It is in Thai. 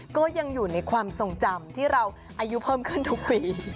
ก็ยังอยู่ในความทรงจำที่เราอายุเพิ่มขึ้นทุกปี